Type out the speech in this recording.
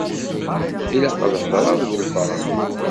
Ilaq ad heḍṛeɣ d walebɛaḍ.